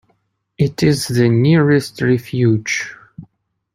It is the nearest refuge.